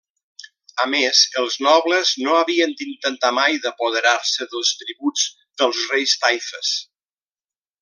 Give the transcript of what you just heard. A més, els nobles no havien d'intentar mai d'apoderar-se dels tributs dels reis taifes.